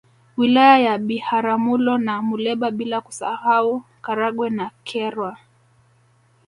Wilaya ya Biharamulo na Muleba bila kusahau Karagwe na Kyerwa